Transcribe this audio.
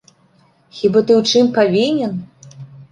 Хіба ты ў чым павінен?